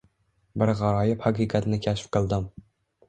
Bir g‘aroyib haqiqatni kashf qildim.